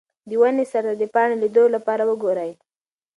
د ونې سر ته د پاڼې لیدو لپاره وګورئ.